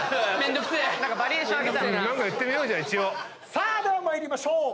さあでは参りましょう。